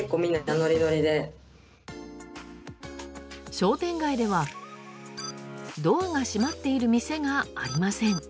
商店街ではドアが閉まっている店がありません。